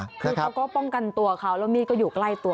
คือเขาก็ป้องกันตัวเขาแล้วมีดก็อยู่ใกล้ตัว